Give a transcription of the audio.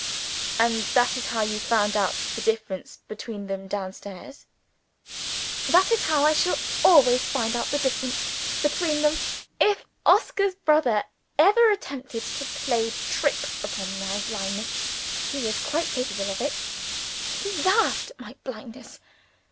"And that is how you found out the difference between them down stairs?" "That is how I shall always find out the difference between them. If Oscar's brother ever attempts to play tricks upon my blindness (he is quite capable of it he laughed at my blindness!)